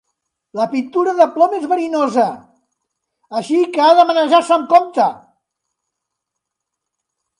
La pintura de plom és verinosa, així que ha de manejar-se amb compte.